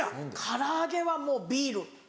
唐揚げはもうビール。